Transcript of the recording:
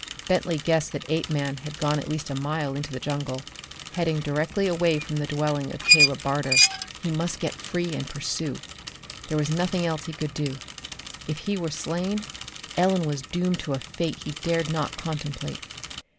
Bentley guessed that Apeman had gone at least a mile into the jungle, heading directly away from the dwelling of Caleb Barter. He must get free and pursue. There was nothing else he could do. If he were slain, Ellen was doomed to a fate he dared not contemplate.